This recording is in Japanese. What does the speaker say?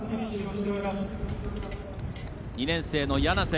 ２年生の柳瀬。